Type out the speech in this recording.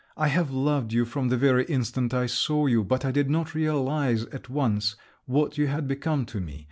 I have loved you from the very instant I saw you; but I did not realise at once what you had become to me!